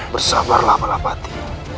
bersabarlah bala pati